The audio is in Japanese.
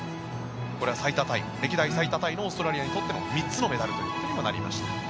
これは歴代最多タイのオーストラリアにとっても３つ目となりました。